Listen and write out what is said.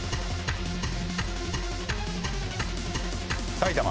埼玉。